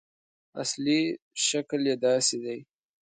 اصلي شکل یې داسې دی.